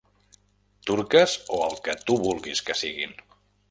Turques o el que tu vulguis que siguin.